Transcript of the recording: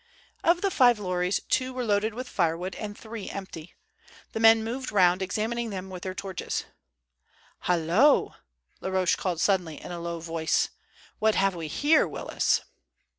Of the five lorries, two were loaded with firewood and three empty. The men moved round examining them with their torches. "Hallo," Laroche called suddenly in a low voice, "what have we here, Willis?"